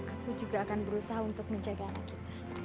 aku juga akan berusaha untuk menjaga anak kita